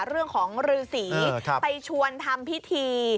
เรื่องของฤษีไปชวนทำพิธี